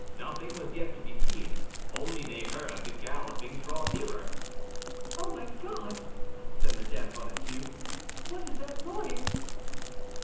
Nothing was yet to be seen, only they heard the galloping draw nearer. "Oh, my God!" said Mme. Bonacieux, "what is that noise?"